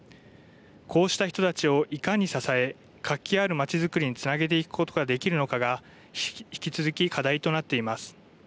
こうした人たちをいかに支え活気ある町づくりにつなげていくことができるのかが引き続き課題となっています。